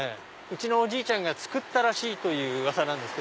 うちのおじいちゃんが造ったらしいという噂なんです。